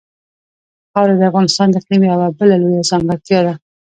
خاوره د افغانستان د اقلیم یوه بله لویه ځانګړتیا ده.